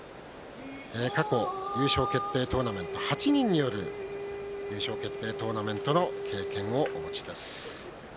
過去優勝決定トーナメント８人による優勝決定トーナメントの経験をお持ちです。